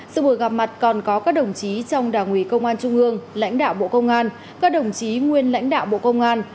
sự buổi gặp mặt còn có các đồng chí trong đảng ủy công an trung ương lãnh đạo bộ công an các đồng chí nguyên lãnh đạo bộ công an